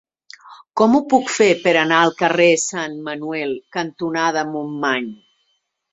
Com ho puc fer per anar al carrer Sant Manuel cantonada Montmany?